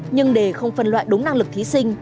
nhưng để không phân loại đúng năng lực thí sinh